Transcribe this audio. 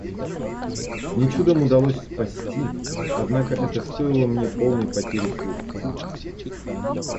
Мне чудом удалось спасти, однако это стоило мне полной потери слуха.